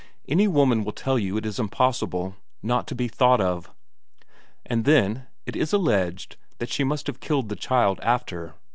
Any woman will tell you it is impossible not to be thought of. And then it is alleged that she must have killed the child after.